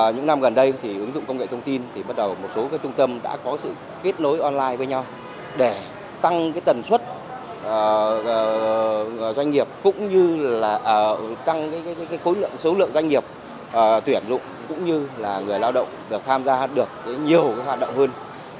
những năm gần đây ứng dụng công nghệ thông tin một số trung tâm đã có sự kết nối online với nhau để tăng tần suất doanh nghiệp tăng số lượng doanh nghiệp tuyển dụng cũng như người lao động được tham gia được nhiều hoạt động hơn